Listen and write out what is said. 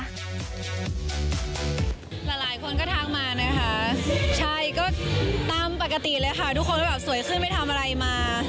หลายคนก็ทักมานะคะใช่ก็ตามปกติเลยค่ะทุกคนก็แบบสวยขึ้นไม่ทำอะไรมา